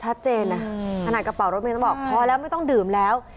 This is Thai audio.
ชัดเจนนะขนาดกระเป๋ารถเมย์ต้องบอกพอแล้วไม่ต้องดื่มแล้ว